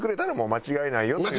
間違いない！